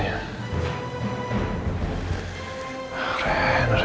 tidak aktif lagi nomornya